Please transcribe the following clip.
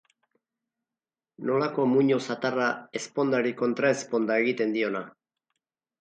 Nolako muino zatarra ezpondari kontraezponda egiten diona!